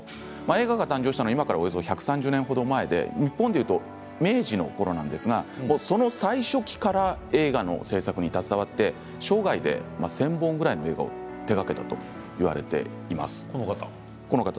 映画が誕生したのは今からおよそ１３０年前、日本で言うと明治のころなんですがその最初期から映画の製作に携わって生涯で１０００本ぐらいの映画を手がけたといわれています。